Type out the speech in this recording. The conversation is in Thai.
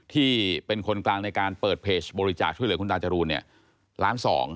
ที่เป็นคนกลางในการเปิดเพจบริจาคช่วยเหลือคุณตาจรูนเนี่ยล้านสอง